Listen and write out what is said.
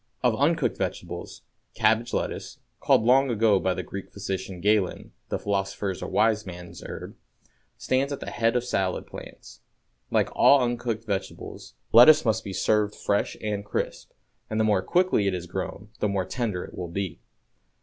Of uncooked vegetables, cabbage lettuce called long ago by the Greek physician, Galen, the philosopher's or wise man's herb stands at the head of salad plants. Like all uncooked vegetables, lettuce must be served fresh and crisp, and the more quickly it is grown the more tender it will be.